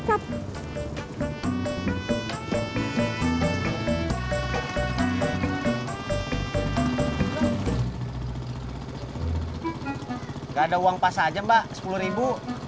nggak ada uang pas saja mbak sepuluh ribu